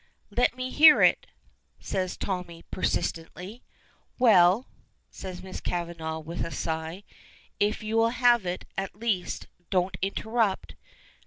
"Let me hear it," says Tommy, persistently. "Well," says Miss Kavanagh, with a sigh, "if you will have it, at least, don't interrupt."